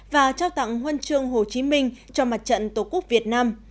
và trao tặng huân chương hồ chí minh cho mặt trận tổ quốc việt nam